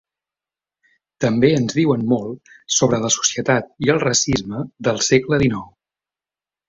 També ens diuen molt sobre la societat i el racisme del segle dinou.